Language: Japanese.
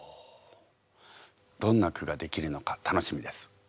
どんな句ができるのか楽しみです。